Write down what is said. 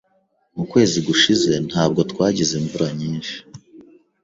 Mu kwezi gushize ntabwo twagize imvura nyinshi.